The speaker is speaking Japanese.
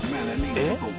えっ！？